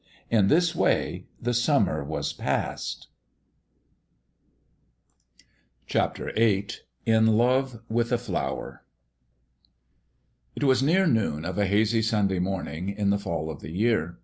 In this way the summer was passed. VIII /AT LOVE WITH A FLOWER IT was near noon of a hazy Sunday morning in the fall of the year.